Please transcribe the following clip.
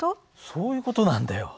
そういう事なんだよ。